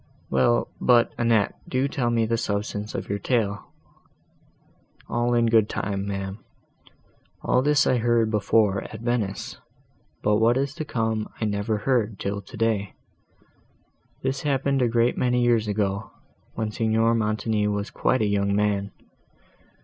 "Well, but, Annette, do tell me the substance of your tale." "All in good time, ma'am; all this I heard before at Venice, but what is to come I never heard till today. This happened a great many years ago, when Signor Montoni was quite a young man.